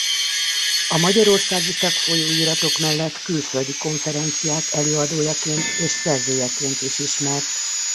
A magyarországi szakfolyóiratok mellett külföldi konferenciák előadójaként és szerzőjeként is ismert.